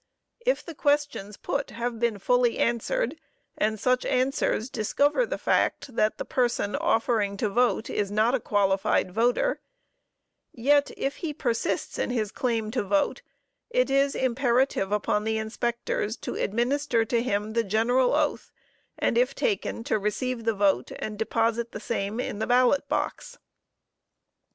If the questions put have been fully answered, and such answers discover the fact, that the person offering to vote is not a qualified voter, yet if he persists in his claim to vote it is imperative upon the inspectors to administer to him the general oath, and if taken, to receive the vote and deposit the same in the ballot box.